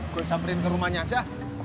gue samperin ke rumahnya aja